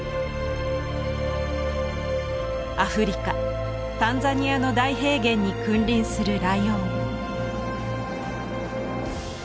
アフリカタンザニアの大平原に君臨するライオン。